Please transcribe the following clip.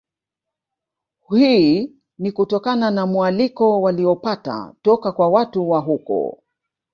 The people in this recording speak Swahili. Hii ni kutokana na mualiko walioupata toka kwa watu wa huko